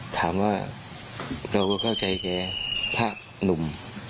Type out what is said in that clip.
ถามว่าเราก็เข้าใจแกพระหนุ่ม